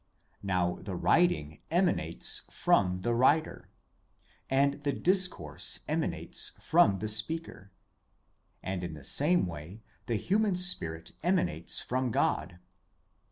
Now the writing emanates from the writer, and the discourse emanates from the speaker, and in the same way the human spirit emanates from God.